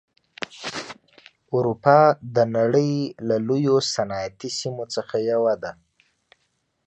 اروپا د نړۍ له لویو صنعتي سیمو څخه یوه ده.